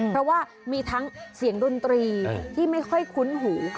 เพราะว่ามีทั้งเสียงดนตรีที่ไม่ค่อยคุ้นหู